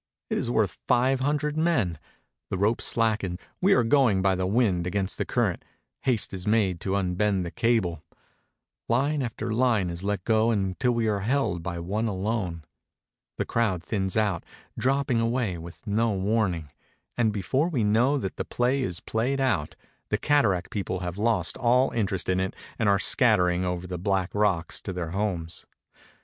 It is worth five hundred men. The ropes slacken; we are going by the wind against the current; haste is made to unbend the cable; line after Hne is let go until we are held by one alone; the crowd thins out, dropping away with no warning; and before we know that the play is played out, the cataract people have lost all interest in it and are scat tering over the black rocks to their homes.